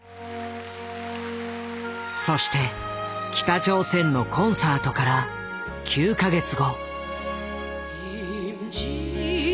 そして北朝鮮のコンサートから９か月後。